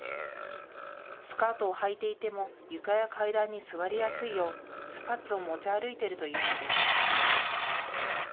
スカートをはいていても床や階段に座りやすいようスパッツを持ち歩いているというのです。